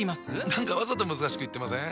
何かわざと難しく言ってません？